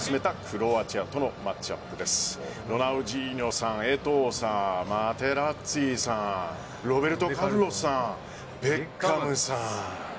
ロナウジーニョさん、エトーさんマテラッツィさんロベルト・カルロスさんベッカムさん。